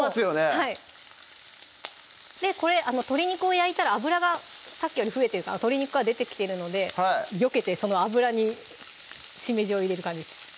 はいこれ鶏肉を焼いたら油がさっきより増えて鶏肉から出てきてるのでよけてその油にしめじを入れる感じです